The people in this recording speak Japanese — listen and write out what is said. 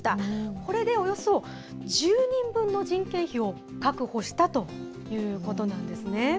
これでおよそ１０人分の人件費を確保したということなんですね。